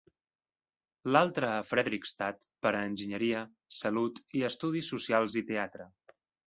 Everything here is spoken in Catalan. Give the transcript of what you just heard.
L'altre a Fredrikstad, per a enginyeria, salut i estudis socials i teatre.